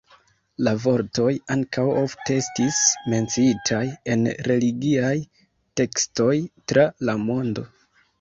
La vortoj ankaŭ ofte estis menciitaj en religiaj tekstoj tra la mondo.